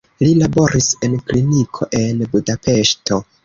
Li laboris en kliniko en Budapeŝto.